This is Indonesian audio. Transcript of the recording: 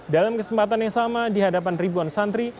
dalam kesempatan yang sama di hadapan ribuan santri